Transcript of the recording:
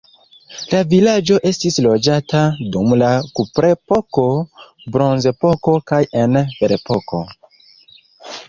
La vilaĝo estis loĝata dum la kuprepoko, bronzepoko kaj en ferepoko.